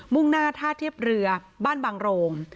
่งหน้าท่าเทียบเรือบ้านบางโรง